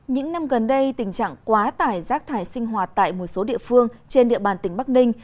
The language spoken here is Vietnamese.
những năm gần đây tình trạng quá tải rác thải sinh hoạt tại một số địa phương trên địa bàn tỉnh bắc ninh